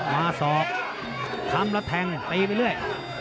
ศอกค้ำแล้วแทงตีไปเรื่อย